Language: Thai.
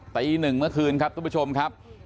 ตีหนึ่งเมื่อคืนครับทุกผู้ชมครับ